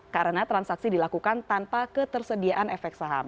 karena transaksi dilakukan tanpa ketersediaan efek saham